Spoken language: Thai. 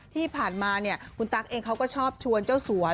ที่ผ่านมาเนี่ยคุณตั๊กเองเขาก็ชอบชวนเจ้าสัว